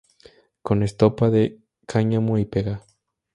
Con estopa de cáñamo y pega.